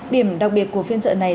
điểm đặc biệt của phiên trợ này